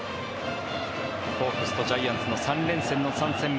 ホークスとジャイアンツの３連戦の３戦目。